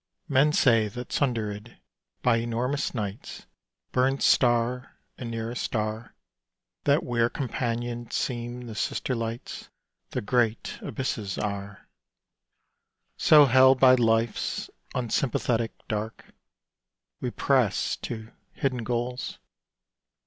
Men say that sundered by enormous nights Burn star and nearest star. That where companioned seem the sister lights The great abysses are. So held by Life's unsympathetic dark, We press to hidden goals.